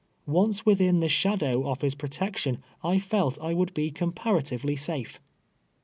Once within the shadow of his pro tection, I felt I would be comparatively safe.